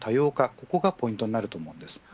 ここがポイントになると思います。